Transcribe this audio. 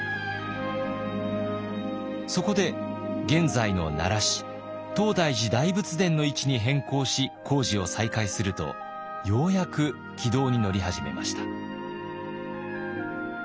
そこで現在の奈良市東大寺大仏殿の位置に変更し工事を再開するとようやく軌道に乗り始めました。